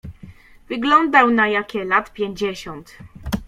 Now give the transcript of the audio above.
"Wyglądał na jakie lat pięćdziesiąt."